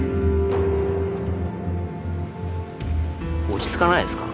落ち着かないですか？